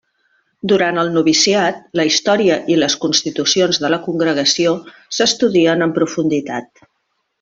Durant el noviciat la història i les Constitucions de la Congregació s'estudien en profunditat.